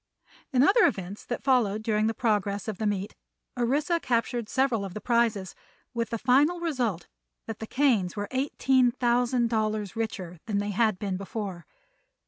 In other events that followed during the progress of the meet Orissa captured several of the prizes, with the final result that the Kanes were eighteen thousand dollars richer than they had been before.